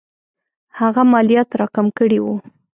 هغه مالیات را کم کړي وو.